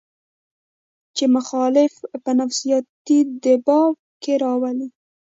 چې مخالف پۀ نفسياتي دباو کښې راولي